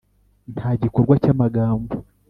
nta gikorwa cyamagambo